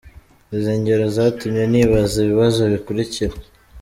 Izi ngero zatumye nibaza ibibazo bikurikira :.